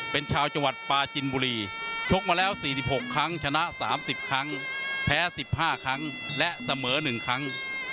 เป็นชาวจังหวัดปาจินบุรีชกมาแล้ว๔๖ครั้งชนะ๓๐ครั้งแพ้๑๕ครั้งและเสมอ๑ครั้ง